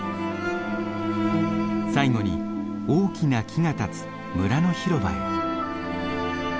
最後に大きな木が立つ村の広場へ。